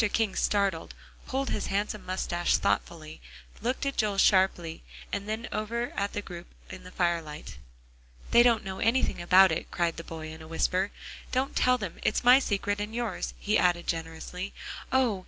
King started, pulled his handsome moustache thoughtfully, looked at Joel sharply, and then over at the group in the firelight. "They don't know anything about it," cried the boy in a whisper, "don't tell them. It's my secret, and yours," he added generously. "Oh!